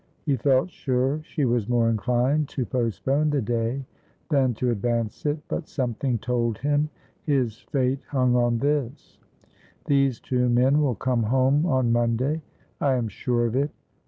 He felt sure she was more inclined to postpone the day than to advance it, but something told him his fate hung on this: "These two men will come home on Monday. I am sure of it.